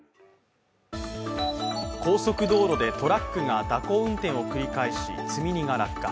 高速道路でトラックが蛇行運転を繰り返し、積み荷が落下。